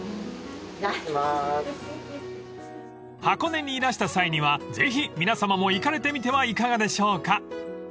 ［箱根にいらした際にはぜひ皆さまも行かれてみてはいかがでしょうか？］